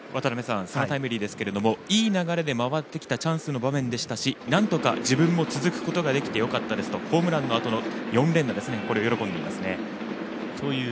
そのタイムリーですけどもいい流れで回ってきたチャンスの場面でしたし、なんとか自分の続くことができてよかったですとホームランのあとの４連打を喜んでいますね。